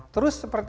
terus seperti ini